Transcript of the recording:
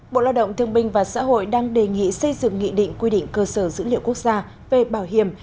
bộ lao động thương binh và xã hội đang đề nghị xây dựng nghị định quy định cơ sở dữ liệu quốc gia về bảo hiểm